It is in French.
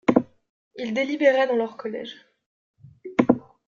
Ils délibéraient dans leur collège.